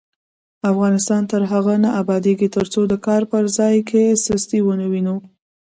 افغانستان تر هغو نه ابادیږي، ترڅو د کار په ځای کې سستي ونه وینو.